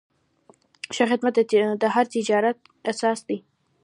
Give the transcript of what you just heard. ښه خدمت د هر تجارت اساس دی.